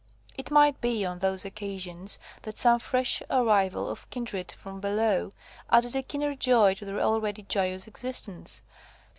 It might be, on those occasions, that some fresh arrival of kindred from below, added a keener joy to their already joyous existence.